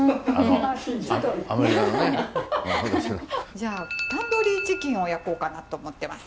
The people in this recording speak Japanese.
じゃあタンドリーチキンを焼こうかなと思ってます。